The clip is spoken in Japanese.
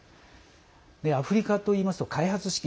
アフリカといいますと開発資金